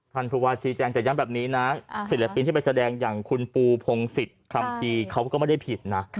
ผู้ว่าชี้แจงแต่ย้ำแบบนี้นะศิลปินที่ไปแสดงอย่างคุณปูพงศิษย์คัมภีร์เขาก็ไม่ได้ผิดนะ